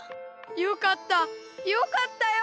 よかったよかったよ。